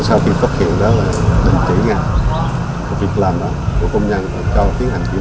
sau khi phát hiện đó là đánh kế ngạc việc làm đó công nhân phải cho tiến hành kiếm